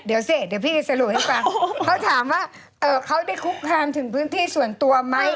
เดี๋ยวเสร็จเดี๋ยวพี่สรุปให้ฟังเขาถามว่าเอ่อเขาได้คุกคามถึงพื้นที่ส่วนตัวไหม